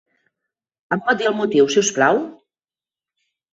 Em pot dir el motiu, si us plau?